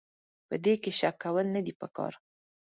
په دې کې شک کول نه دي پکار.